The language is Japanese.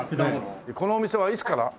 このお店はいつから？